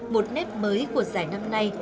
một nét mới của giải năm nay